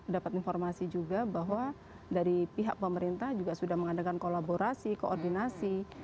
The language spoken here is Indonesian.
dapat informasi juga bahwa dari pihak pemerintah juga sudah mengadakan kolaborasi koordinasi